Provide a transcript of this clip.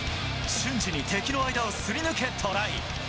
瞬時に敵の間をすり抜けトライ。